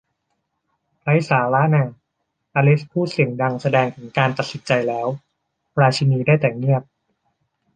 ไร้สาระน่า อลิซพูดเสียงดังแสดงถึงการตัดสินใจแล้ว ราชินีได้แต่เงียบ